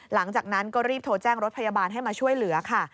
หลังจากนั้นก็รีบโทรแจ้งรถพยาบาลให้มาช่วยเหลือค่ะ